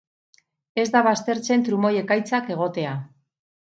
Ez da baztertzen trumoi-ekaitzak egotea.